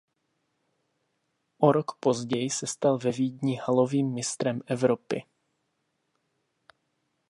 O rok později se stal ve Vídni halovým mistrem Evropy.